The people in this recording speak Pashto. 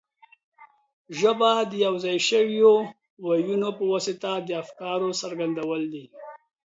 ژبه د یو ځای شویو وییونو په واسطه د افکارو څرګندول دي.